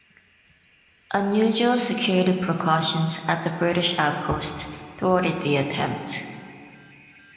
Unusual security precautions at the British outpost thwarted the attempt.